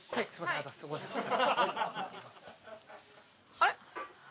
あれ？